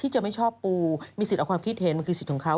อย่าชี้หน้าเจ๊หน่อย